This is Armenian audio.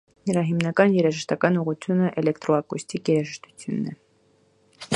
Նրա հիմնական երաժշտական ուղղությունը էլեկտրոակուստիկ երաժշտությունն է։